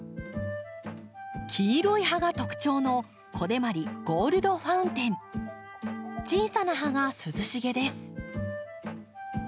黄色い葉が特徴の小さな葉が涼しげです。